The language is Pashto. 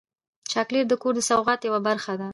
چاکلېټ د کور د سوغات یوه برخه ده.